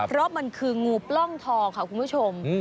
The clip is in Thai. เพราะมันคืองูปล้องทองค่ะคุณผู้ชม